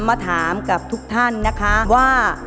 มาถามกับทุกท่านนะคะว่า